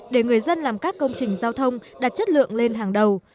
để người dân làm các công trình giao thông đặt chất lượng lên hàng đầu